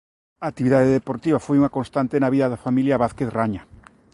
A actividade deportiva foi unha constante na vida da familia Vázquez Raña.